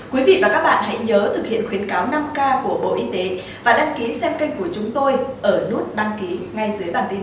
quý vị và các bạn hãy nhớ thực hiện khuyến cáo năm k của bộ y tế và đăng ký xem kênh của chúng tôi ở nút đăng ký ngay dưới bản tin